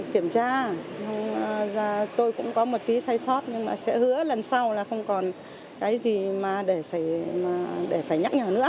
khi mình vào kiểm tra tôi cũng có một tí sai sót nhưng mà sẽ hứa lần sau là không còn cái gì mà để phải nhắc nhở nữa